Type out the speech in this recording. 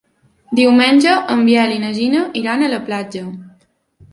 Diumenge en Biel i na Gina iran a la platja.